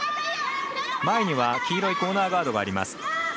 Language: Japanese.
前には黄色いコーナーガードがあります。